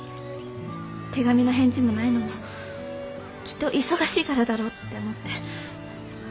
手紙の返事もないのもきっと忙しいからだろうって思って。